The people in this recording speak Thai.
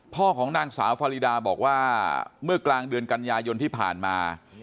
พ่อของนางสาวฟารีดาบอกว่าเมื่อกลางเดือนกันยายนที่ผ่านมา